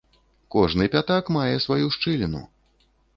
Кожны пятак мае сваю шчыліну.